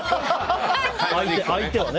相手はね。